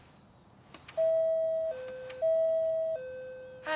はい。